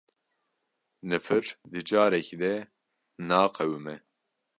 Nifir di carekî de naqewime